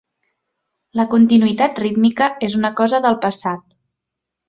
La continuïtat rítmica és una cosa del passat.